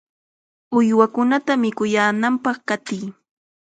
¡Uywakunata mikuyaananpaq qatiy!